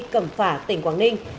cầm phả tỉnh quảng ninh